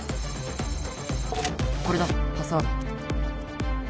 これだパスワード